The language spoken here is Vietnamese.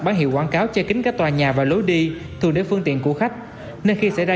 bán hiệu quảng cáo che kính các tòa nhà và lối đi thường để phương tiện của khách nên khi xảy ra